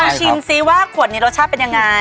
ชิมซิว่าขวดนี้รสชาติเป็นยังไง